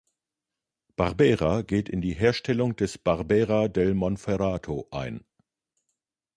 Barbera geht in die Herstellung des Barbera del Monferrato ein.